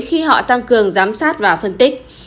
khi họ tăng cường giám sát và phân tích